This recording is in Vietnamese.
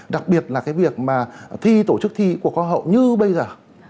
đặc biệt là cái việc mà thi tổ chức thi của khoa hậu như bây giờ